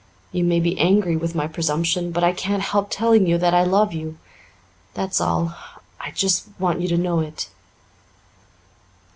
You may be angry with my presumption, but I can't help telling you that I love you. That's all. I just want you to know it."